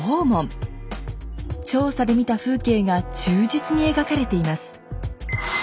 調査で見た風景が忠実に描かれています。